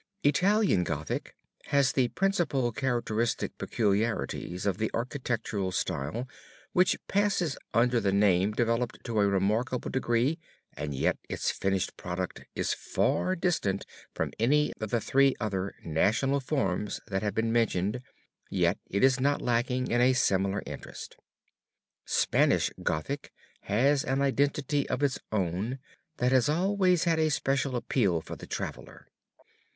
Italian Gothic has the principal characteristic peculiarities of the architectural style which passes under the name developed to a remarkable degree, and yet its finished product is far distant from any of the three other national forms that have been mentioned, yet is not lacking in a similar interest. Spanish Gothic has an identity of its own that has always had a special appeal for the traveler.